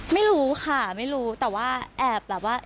ไม่รู้ค่ะไม่รู้แต่ว่าแอบแบบว่า